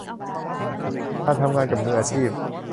การทำงานกับมืออาชีพ